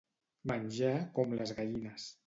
Menjar com les gallines.